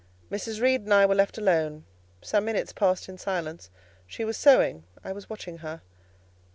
Mrs. Reed and I were left alone: some minutes passed in silence; she was sewing, I was watching her.